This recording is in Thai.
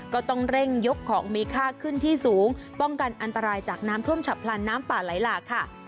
ก็ต้องเร่งยกของมีค่าขึ้นที่สูงป้องกันอันตรายจากน้ำท่วมฉับพลันน้ำป่าไหลหลากค่ะ